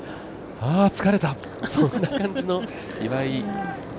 ああ、疲れた、そんな感じの岩井。